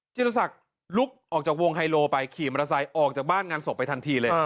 ธิรศักดิ์ลุกออกจากวงไฮโลไปขี่มอเตอร์ไซค์ออกจากบ้านงานศพไปทันทีเลย